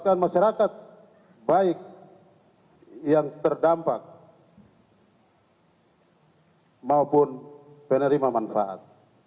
kami berharap bapak presiden akan menerima manfaat